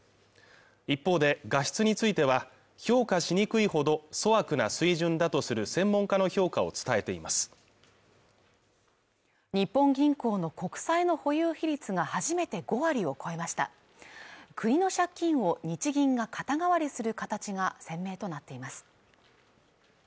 一方で画質については評価しにくいほど粗悪な水準だとする専門家の評価を伝えています日本銀行の国債の保有比率が初めて５割を超えました国の借金を日銀が肩代わりする形が鮮明となっています